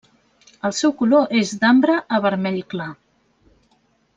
El seu color és d'ambre a vermell clar.